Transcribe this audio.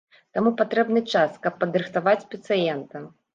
Таму патрэбны час, каб падрыхтаваць пацыента.